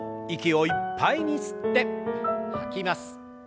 息をいっぱいに吸って吐きます。